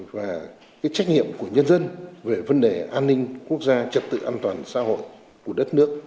và cái trách nhiệm của nhân dân về vấn đề an ninh quốc gia trật tự an toàn xã hội của đất nước